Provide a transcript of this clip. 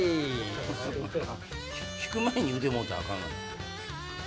引く前に言うてもうたらあかんがな。